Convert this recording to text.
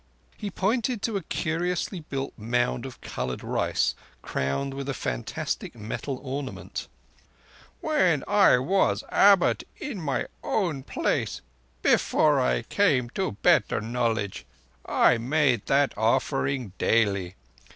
He pointed to a curiously built mound of coloured rice crowned with a fantastic metal ornament. "When I was Abbot in my own place—before I came to better knowledge I made that offering daily.